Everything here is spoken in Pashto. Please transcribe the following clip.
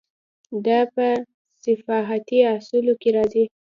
دا په صحافتي اصولو کې راځي.